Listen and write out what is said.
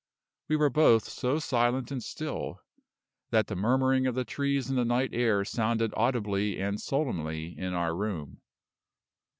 We were both so silent and still, that the murmuring of the trees in the night air sounded audibly and solemnly in our room.